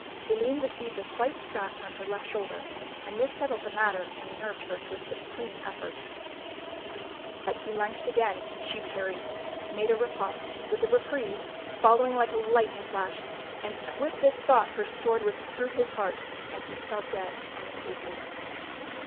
Aline received a slight scratch on her left shoulder and this settled the matter and nerved her to a supreme effort. As he lunged again she parried, made a riposte with a reprise following like a lightning flash and swift as thought her sword was through his heart and he fell dead on the pavement.